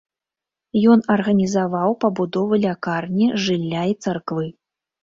Ён арганізаваў пабудову лякарні, жылля і царквы.